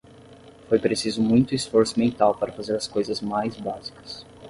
Foi preciso muito esforço mental para fazer as coisas mais básicas.